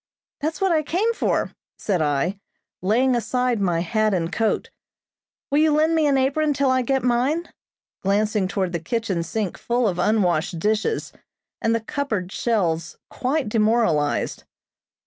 "That's what I came for," said I, laying aside my hat and coat. "Will you lend me an apron till I get mine?" glancing toward the kitchen sink full of unwashed dishes, and the cupboard shelves quite demoralized.